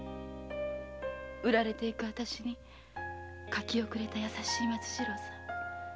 売られて行く私に柿をくれた優しい松次郎さん。